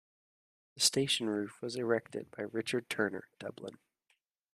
The station roof was erected by Richard Turner, Dublin.